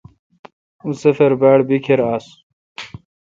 اؙں سفر باڑ بیکھر آس۔